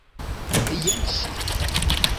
Jen ŝi!